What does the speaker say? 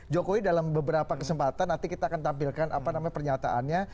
jokowi dalam beberapa kesempatan nanti kita akan tampilkan pernyataannya